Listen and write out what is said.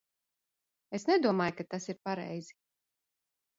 Es nedomāju, ka tas ir pareizi!